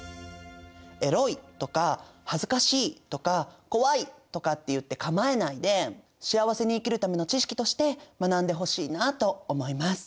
エロいとか恥ずかしいとか怖いとかって言って構えないで幸せに生きるための知識として学んでほしいなと思います。